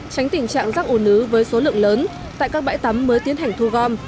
tránh tình trạng rác ủ nứ với số lượng lớn tại các bãi tắm mới tiến hành thu gom